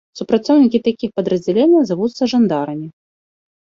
Супрацоўнікі такіх падраздзяленняў завуцца жандарамі.